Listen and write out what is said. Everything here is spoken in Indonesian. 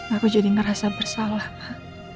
aku jadi ngerasa bersalah pak